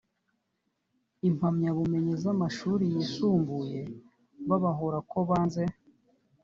impamyabumenyi z amashuri yisumbuye babahora ko banze